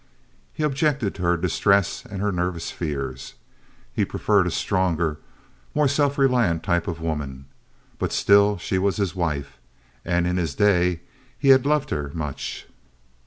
He objected to her distress and her nervous fears. He preferred a stronger, more self reliant type of woman, but still she was his wife, and in his day he had loved her much.